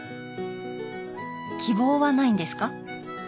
希望はないんですか？